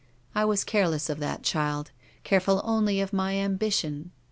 I was careless of that child, careful only of my ambition.